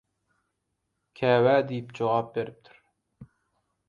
«Käbä» diýip jogap beripdir.